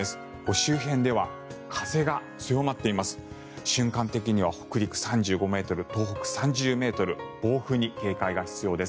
周辺では風が強まっています。